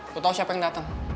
gua tau siapa yang dateng